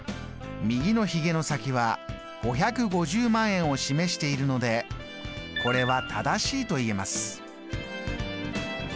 右のひげの先は５５０万円を示しているのでこれは正しいと言えます。